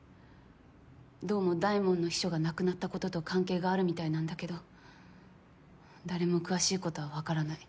どうも大門の秘書が亡くなったことと関係があるみたいなんだけど誰も詳しいことはわからない。